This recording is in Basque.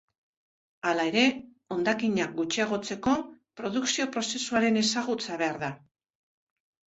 Hala ere, hondakinak gutxiagotzeko, produkzio-prozesuaren ezagutza behar da.